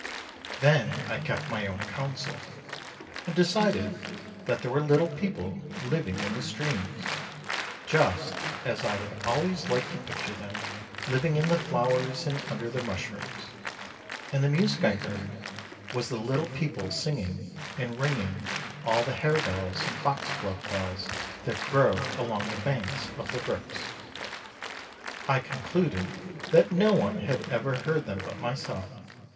Then I kept my own counsel, and decided that there were Little People living in the streams, just as I had always liked to picture them living in the flowers and under the mushrooms. And the music I heard was the Little People singing, and ringing all the harebells and foxglove bells that grow along the banks of the brooks. I concluded that no one had ever heard them but myself.